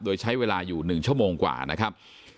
โดยใช้เวลาอยู่๑ชั่วโมงกว่านะครับ